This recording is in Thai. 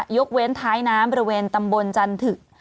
ยกเว้นท้ายน้ำบริเวณตำบลจันทึก